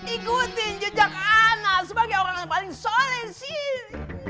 ikutin jejak anda sebagai orang yang paling soleh disini